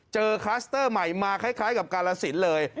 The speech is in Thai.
คลัสเตอร์ใหม่มาคล้ายกับกาลสินเลย